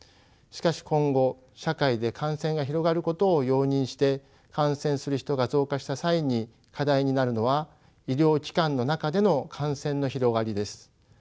しかし今後社会で感染が広がることを容認して感染する人が増加した際に課題になるのは医療機関の中での感染の広がりです。